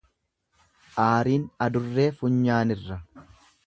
Aariin adurree funyaanirra.